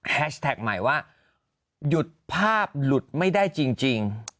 แท็กใหม่ว่าหยุดภาพหลุดไม่ได้จริง